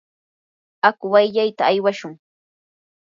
aku wayllayta aywashun.